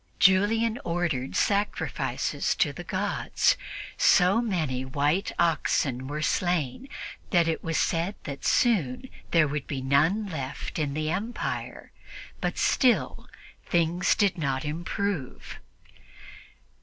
Julian ordered sacrifices to the gods. So many white oxen were slain that it was said that soon there would be none left in the empire; but still things did not improve.